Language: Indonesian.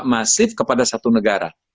masif kepada satu negara